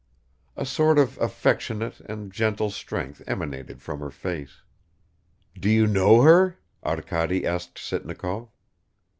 A sort of affectionate and gentle strength emanated from her face. "Do you know her?" Arkady asked Sitnikov.